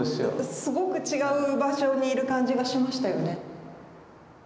すごく違う場所にいる感じがしましたよね。